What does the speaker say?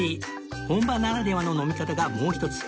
本場ならではの飲み方がもう一つ